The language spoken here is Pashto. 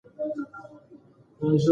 خلک به بېلابېلې لهجې کارولې.